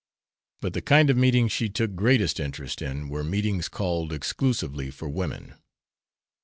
But the kind of meetings she took greatest interest in were meetings called exclusively for women.